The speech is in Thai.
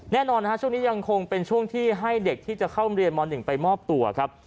แน่นอนช่วงนี้ยังคงเป็นช่วงที่ให้เด็กที่จะเข้าเรียนม๑ไปมอบตัวครับ